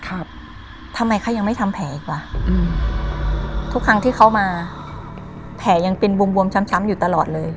ทำไมเขายังไม่ทำแผลอีกวะอืมทุกครั้งที่เขามาแผลยังเป็นบวมบวมช้ำช้ำอยู่ตลอดเลย